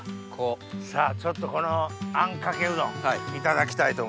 さぁちょっとこのあんかけうどんいただきたいと。